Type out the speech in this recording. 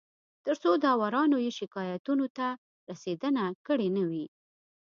تر څو داورانو یې شکایتونو ته رسېدنه کړې نه وي